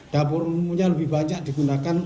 dapur umumnya lebih banyak digunakan